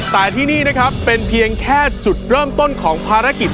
แต่ที่นี่นะครับเป็นเพียงแค่จุดเริ่มต้นของภารกิจ